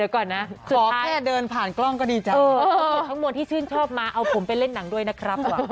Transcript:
คุณทั้งหมวนที่ชื่นชอบมาเอาผมไปเล่นหนังด้วยนะครับ